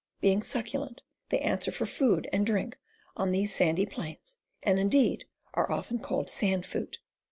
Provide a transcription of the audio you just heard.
... Be ing succulent, they answer for food and drink on these sandy plains, and, indeed, are often called sand food."